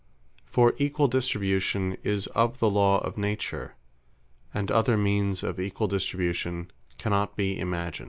For equall distribution, is of the Law of Nature; and other means of equall distribution cannot be imagined.